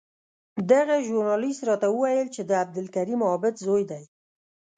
دغه ژورنالېست راته وویل چې د عبدالکریم عابد زوی دی.